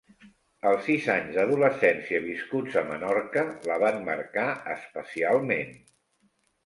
Els sis anys d’adolescència viscuts a Menorca la van marcar especialment.